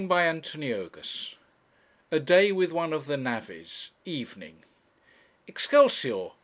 CHAPTER XX A DAY WITH ONE OF THE NAVVIES. EVENING 'Excelsior!'